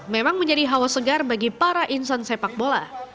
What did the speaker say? memang menjadi hawa segar bagi para insan sepak bola